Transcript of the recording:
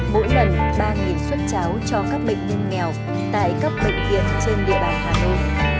mỗi lần ba xuất cháo cho các bệnh nhân nghèo tại các bệnh viện trên địa bàn hà nội